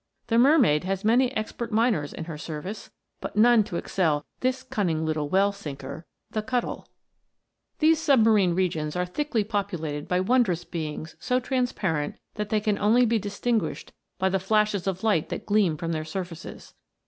The mermaid has many expert miners in her service, but none to excel this cunning little well sinker.* These submarine regions are thickly populated by wondrous beings so transparent that they can only be distinguished by the flashes of light that gleam from their surfaces.